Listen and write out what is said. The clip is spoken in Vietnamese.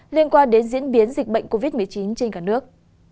liên quan đến diễn biến dịch bệnh covid một mươi chín trên cả nước